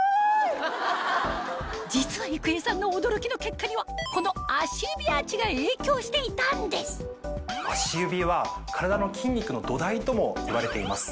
実は郁恵さんの驚きの結果にはこの足指アーチが影響していたんですともいわれています。